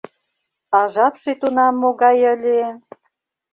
А жапше тунам могай ыле?